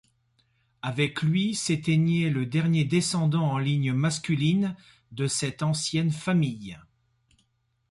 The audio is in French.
Avec lui, s'éteignait le dernier descendant en ligne masculine de cette ancienne famille.